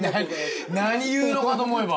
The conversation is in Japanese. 何言うのかと思えば。